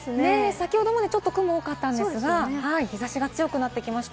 先ほどまで雲、多かったですが、日差しが強くなってきました。